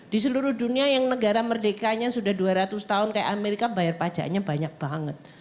di seluruh dunia yang negara merdekanya sudah dua ratus tahun kayak amerika bayar pajaknya banyak banget